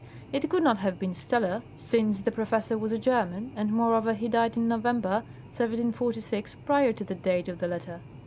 It could not have been Steller, since the professor was a German, and moreover he died in November, 1746, prior to the date of the letter.